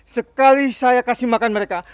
sekali saya kasih makan mereka